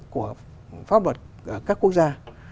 của pháp luật các quốc gia